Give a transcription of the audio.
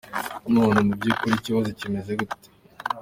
None mu vy'ukuri ikibazo kimeze gute?.